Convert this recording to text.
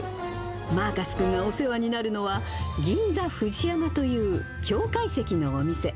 マーカス君がお世話になるのは、銀座ふじやまという京懐石のお店。